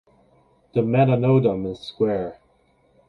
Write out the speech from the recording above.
The Metanotum is square.